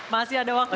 masih ada waktunya pak